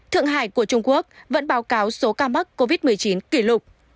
thượng hải của trung quốc vẫn báo cáo số ca mắc covid một mươi chín kỷ lục